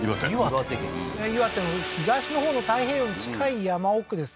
岩手県岩手の東のほうの太平洋に近い山奥ですか